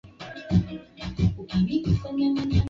Binamu anaoga